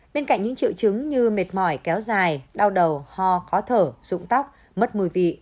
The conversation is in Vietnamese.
bên cạnh những triệu chứng như mệt mỏi kéo dài đau đầu ho khó thở rụng tóc mất mùi vị